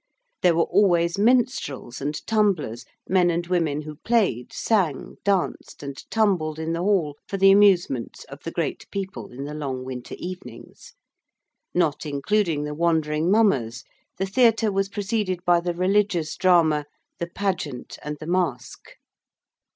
There were always minstrels and tumblers, men and women who played, sang, danced, and tumbled in the hall for the amusement of the great people in the long winter evenings. Not including the wandering mummers, the Theatre was preceded by the Religious Drama, the Pageant, and the Masque.